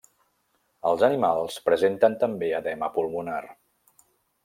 Els animals presenten també edema pulmonar.